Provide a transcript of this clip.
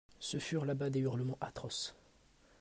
Ce furent, là-bas, des hurlements atroces.